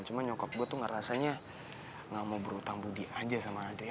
cuman nyokap gue tuh ngerasanya gak mau berutang bugi aja sama adriana